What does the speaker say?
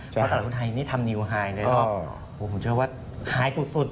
แล้วตลาดหุ้นไทยนี้ทำนิวไฮนะครับผมเชื่อว่าไฮสุด